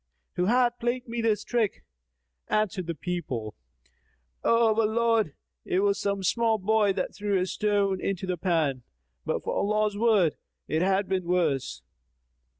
Who hath played me this trick?" Answered the people, "O our lord, it was some small boy that threw a stone into the pan: but for Allah's word, it had been worse."